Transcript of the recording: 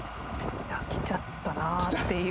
来ちゃったなっていう。